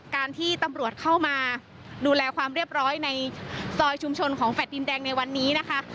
การที่ตำรวจเข้ามาดูแลความเรียบร้อยในซอยชุมชนของแฟลต์ดินแดงในวันนี้นะคะ